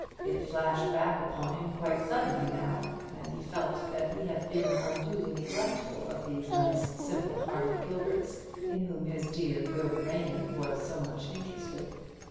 It flashed back upon him quite suddenly now, and he felt that he had been unduly neglectful of these nice simple hearted Gilberts, in whom his dear good Raymond was so much interested.